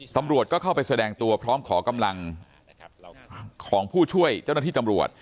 ตำรวจก็เข้าไปแสดงตัวพร้อมขอกำลังของผู้ช่วยเจ้าหน้าที่ตำรวจ